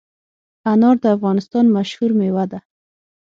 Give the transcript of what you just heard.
انار د افغانستان مشهور مېوه ده.